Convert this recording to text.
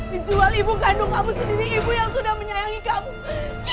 menjual ibu kandung kamu sendiri ibu yang sudah menyayangi kamu